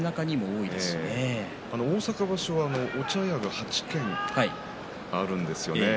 大阪場所はお茶屋が８軒あるんですよね。